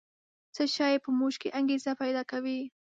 څه شی په موږ کې انګېزه پیدا کوي؟